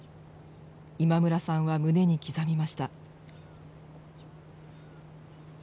今村さんは胸に刻みました。